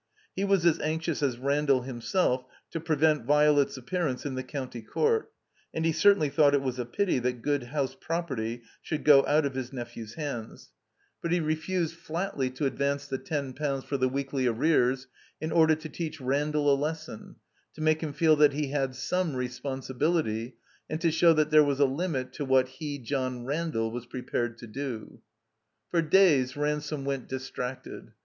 He was as anxious as Randall himself to prevent Violet's ap pearance in the County Court, and he certainly thought it was a pity that good house property should go out of his nephew's hands. But he re * 294 THE COMBINED MAZE fused flatly to advance the ten pounds for the weekly arrears, in order to teach Randall a lesson, to make him feel that he had some responsibility, and to show that there was a Umit to what he, John Randall, was prepared to do. w For days Ransome went distracted.